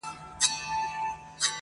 زه له فطرته عاشقي کوومه ښه کوومه,